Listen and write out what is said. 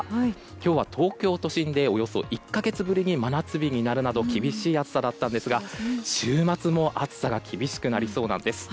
今日は東京都心でおよそ１か月ぶりに真夏日になるなど厳しい暑さだったんですが週末も暑さが厳しくなりそうなんです。